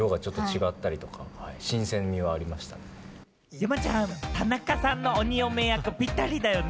山ちゃん、田中さんの鬼嫁役ぴったりだよね。